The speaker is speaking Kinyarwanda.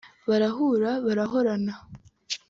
barahura barahorana